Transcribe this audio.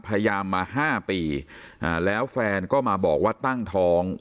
พยายามมา๕ปีแล้วแฟนก็มาบอกว่าตั้งท้อง